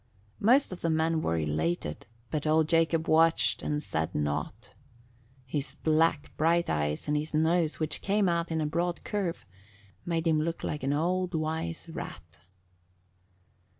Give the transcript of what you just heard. Most of the men were elated, but old Jacob watched and said nought. His black, bright eyes and his nose, which came out in a broad curve, made him look like an old, wise rat.